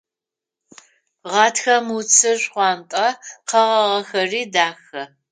Гъатхэм уцыр шхъуантӀэ, къэгъагъэхэри дахэ.